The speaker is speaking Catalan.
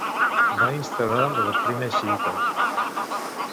Va instaurar la doctrina xiïta.